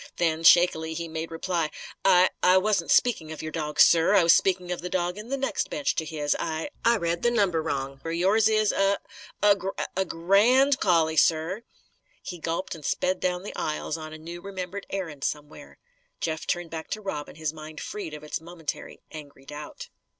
Then, shakily, he made reply: "I I wasn't speaking of your dog, sir. I was speaking of the dog in the next bench to his. I I read the number wrong. Yours is a a grand a grand collie, sir." He gulped, and sped down the aisles on a new remembered errand somewhere. Jeff turned back to Robin, his mind freed of its momentary angry doubt.